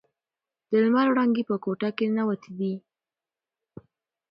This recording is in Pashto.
د لمر وړانګې په کوټه کې ننووتې دي.